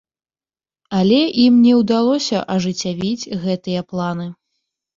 Але ім не ўдалося ажыццявіць гэтыя планы.